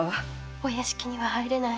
お屋敷には入れない。